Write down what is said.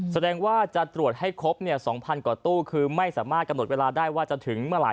แสดงว่าจะตรวจให้ครบ๒๐๐กว่าตู้คือไม่สามารถกำหนดเวลาได้ว่าจะถึงเมื่อไหร่